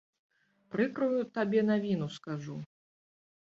Прыкрую табе навіну скажу.